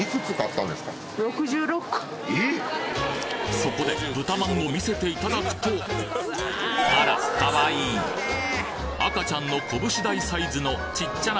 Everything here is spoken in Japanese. そこで豚まんを見せていただくとあらかわいい赤ちゃんのこぶし大サイズのちっちゃな